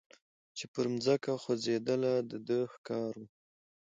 چي پر مځکه خوځېدله د ده ښکار وو